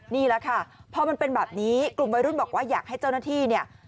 นี่แหละค่ะพอมันเป็นแบบนี้กลุ่มวัยรุ่นบอกว่าอยากให้เจ้าหน้าที่เนี่ย